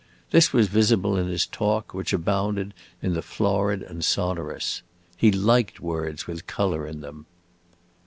This was visible in his talk, which abounded in the florid and sonorous. He liked words with color in them.